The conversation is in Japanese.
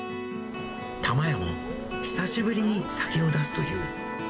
玉やも久しぶりに酒を出すという。